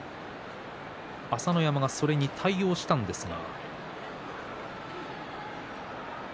朝乃山がそれに対応したんですが。